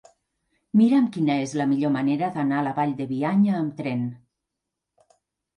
Mira'm quina és la millor manera d'anar a la Vall de Bianya amb tren.